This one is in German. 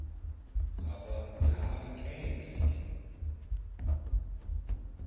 Aber wir haben keinen Krieg.